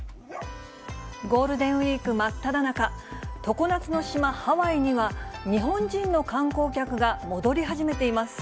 ゴールデンウィーク真っただ中、常夏の島、ハワイには日本人の観光客が戻り始めています。